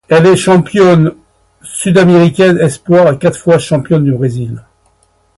Elle est championne sud-américaine espoirs et quatre fois championne du Brésil.